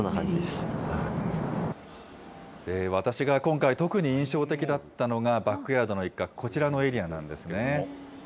私が今回、特に印象的だったのが、バックヤードの一角、こちらのエリアなんですね。